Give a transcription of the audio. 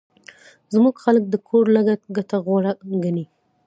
زموږ خلک د کور لږه ګټه غوره ګڼي